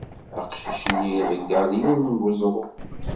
Aqcic-nni iḍegger yiwen n weẓru.